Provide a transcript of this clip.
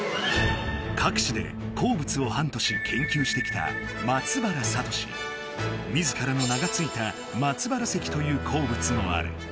各地で鉱物をハントし研究してきた自らの名がついた「松原石」という鉱物もある。